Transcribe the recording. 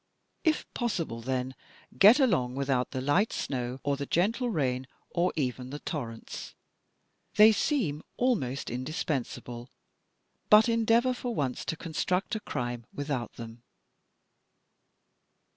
If possible, then, get along without the light snow or the gentle rain or even the torrents. They seem almost indis pensable, but endeavor for once to construct a crime without them.